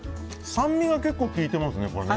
酸味が結構効いてますね。